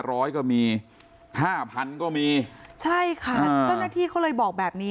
ร้อยก็มีห้าพันก็มีใช่ค่ะเจ้าหน้าที่เขาเลยบอกแบบนี้